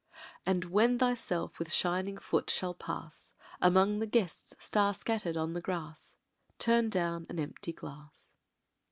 And when Thyself with shining Foot shall pass Among the Guests star scatter'd on the Grass, turn down an empty Glass.